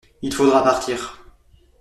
Il faudra partir.